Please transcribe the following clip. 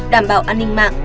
đảm bảo an ninh mạng